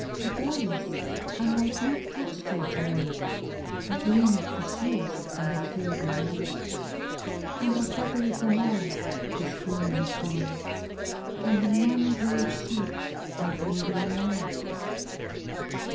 The dahlias I might not touch till to night!A gleam of the shears in the fading light, And I gathered them all,—the splendid throng, And in one great sheaf I bore them along..